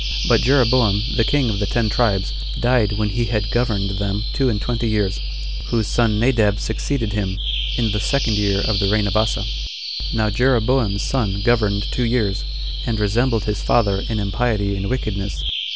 But Jeroboam, the king of the ten tribes, died when he had governed them two and twenty years; whose son Nadab succeeded him, in the second year of the reign of Asa. Now Jeroboam's son governed two years, and resembled his father in impiety and wickedness.